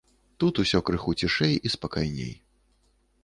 Тут усё крыху цішэй і спакайней.